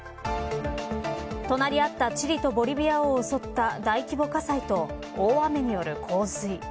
隣合ったチリとボリビアを襲った大規模火災と大雨による洪水。